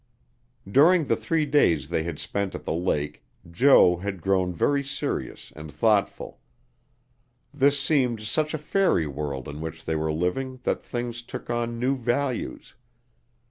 During the three days they had spent at the lake Jo had grown very serious and thoughtful. This seemed such a fairy world in which they were living that things took on new values.